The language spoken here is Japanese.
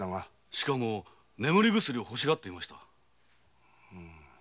しかも眠り薬を欲しがっていました。